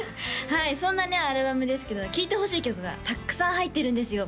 はいそんなねアルバムですけど聴いてほしい曲がたくさん入ってるんですよ